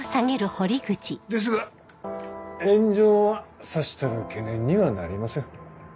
ですが炎上はさしたる懸念にはなりません。